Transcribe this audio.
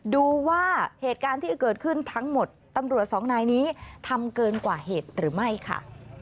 ดูว่าเหตุการณ์ที่เกิดขึ้นทั้งหมดตำรวจสองนายนี้ทำเกินกว่าเหตุหรือไม่ค่ะ